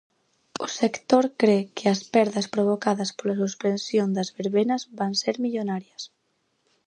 O sector cre que as perdas provocadas pola suspensión das verbenas van ser millonarias.